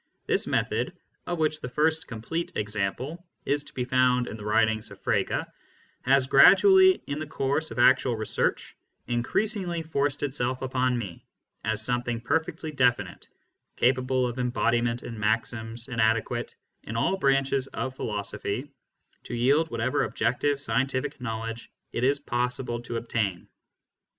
This method, of which the first complete example is to be found in the writings of Frege, has gradually, in the course of actual research, increasingly forced itself upon me as something perfectly definite, capable of embodiment in maxims, and adequate, in all branches of philosophy, to yield whatever objective scientific knowledge it is possible to obtain.